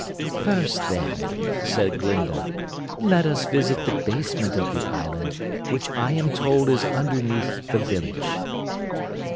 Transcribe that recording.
"First, then," said Glinda, "let us visit the basement of the island, which I am told is underneath the village."